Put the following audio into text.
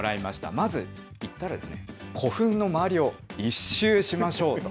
まず行ったらですね、古墳の周りを一周しましょうと。